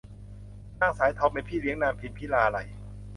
นางสายทองเป็นพี่เลี้ยงนางพิมพิลาไลย